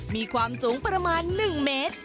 มีความสูงประมาณ๑เมตร